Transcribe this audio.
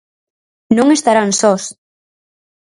Non estarán sós.